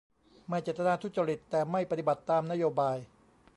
ไม่เจตนาทุจริตแต่ไม่ปฏิบัติตามนโยบาย !